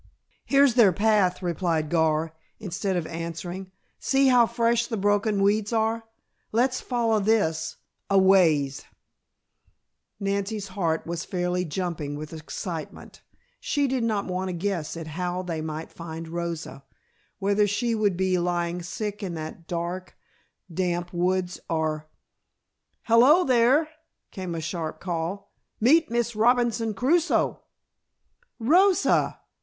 "Here's their path," replied Gar, instead of answering. "See how fresh the broken weeds are. Let's follow this a ways." Nancy's heart was fairly jumping with excitement. She did not want to guess at how they might find Rosa; whether she would be lying sick in that dark, damp woods, or "Hello there!" came a sharp call. "Meet Miss Robinson Crusoe " "Rosa!"